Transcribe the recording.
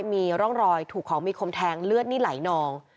มีร่องรอยถูกของมีคมแทงเลือดนี่ไหลนอง